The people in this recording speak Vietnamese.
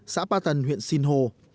xã pa tần huyện sinh hồ